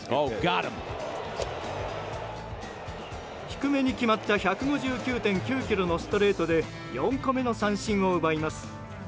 低めに決まった１５９．９キロのストレートで４個目の三振を奪います。